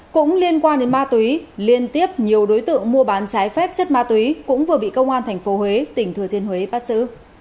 cũng liên quan đến ma túy liên tiếp nhiều đối tượng mua bán trái phép chất ma túy cũng vừa bị công an tp huế tỉnh thừa thiên huế bắt xử